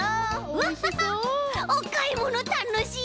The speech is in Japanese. うわおかいものたのしい！